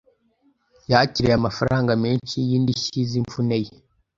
Yakiriye amafaranga menshi y’indishyi z’imvune ye.